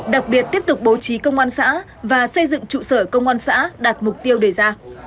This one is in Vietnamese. đặc biệt tiếp tục bố trí công an xã và xây dựng trụ sở công an xã đạt mục tiêu đề ra